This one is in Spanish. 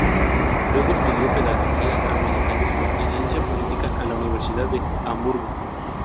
Luego estudió pedagogía, americanismo y ciencia política a la Universidad de Hamburgo.